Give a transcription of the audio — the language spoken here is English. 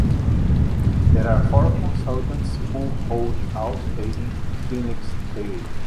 There are four consultants who hold outpatient clinics daily.